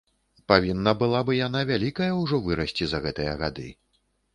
Павінна была бы яна вялікая ўжо вырасці за гэтыя гады.